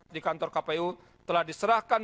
di kantor kpu telah diserahkan